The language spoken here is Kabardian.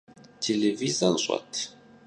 Têlêvizor ş'et?